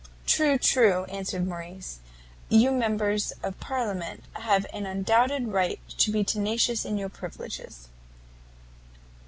"True, true;" answered Morrice, "you members of parliament have an undoubted right to be tenacious of your privileges."